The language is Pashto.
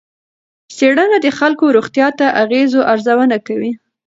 څېړنه د خلکو روغتیا ته د اغېزو ارزونه کوي.